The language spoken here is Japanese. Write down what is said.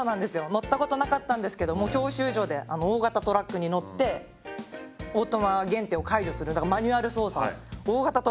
乗ったことなかったんですけども教習所で大型トラックに乗ってオートマ限定を解除するマニュアル操作を大型トラックで初めてやって。